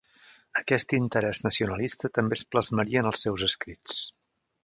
Aquest interès nacionalista també es plasmaria en els seus escrits.